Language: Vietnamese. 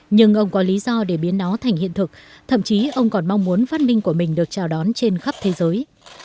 nhưng ông có lý do để biến nó thành hiện thực thậm chí ông còn mong muốn phát minh của mình được chào đón trên khắp thế giới